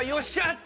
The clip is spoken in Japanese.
って